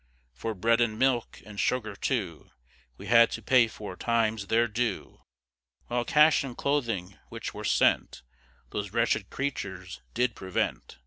For bread and milk, and sugar, too, We had to pay four times their due; While cash and clothing which were sent, Those wretched creatures did prevent.